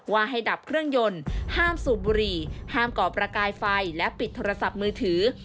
ว่าให้ดับเครื่องยนต์ห้ามสูบบุหรี่ห้ามก่อประกายไฟและปิดโทรศัพท์มือถือ